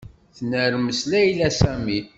Tennermes Layla Sami.